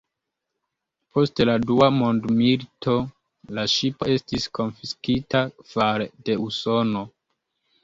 Post la Dua Mondmilito la ŝipo estis konfiskita fare de Usono.